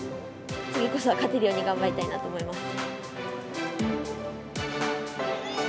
次こそは勝てるように頑張りたいなと思います。